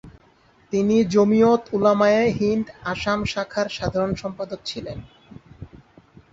তিনি জমিয়ত উলামায়ে হিন্দ আসাম শাখার সাধারণ সম্পাদক ছিলেন।